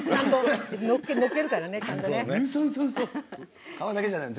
のっけるからね、ちゃんとね。